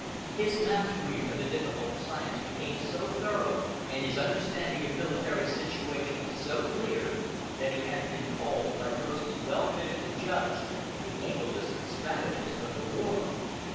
His mastery of the difficult science became so thorough, and his understanding of military situations so clear, that he has been called, by persons well fitted to judge, "the ablest strategist of the war."